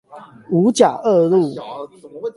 五甲二路